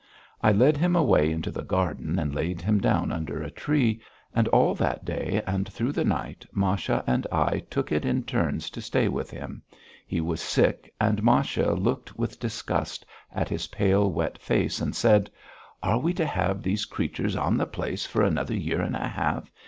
I led him away into the garden and laid him down under a tree, and all that day and through the night Masha and I took it in turns to stay with him. He was sick and Masha looked with disgust at his pale, wet face and said: "Are we to have these creatures on the place for another year and a half?